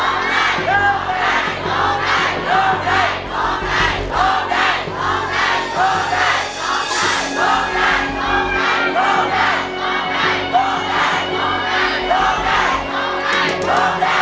ร้องได้รู้ได้รู้ได้รู้ได้